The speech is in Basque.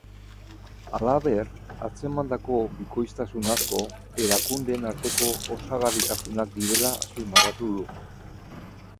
Halaber, atzemandako bikoiztasun asko, erakundeen arteko osagarritasunak direla azpimarratu du.